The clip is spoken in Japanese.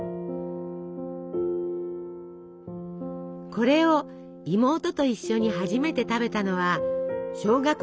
これを妹と一緒に初めて食べたのは小学２年生の時。